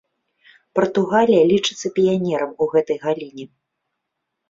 Партугалія лічыцца піянерам у гэтай галіне.